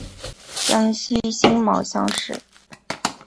江西辛卯乡试。